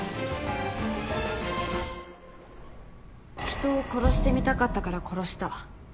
人を殺してみたかったから殺した。